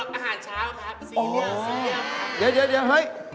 ไม่หมอ